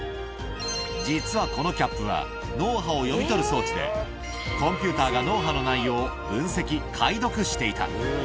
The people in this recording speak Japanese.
実はこのキャップは、脳波を読み取る装置で、コンピューターが脳波の内容を分析、解読していた。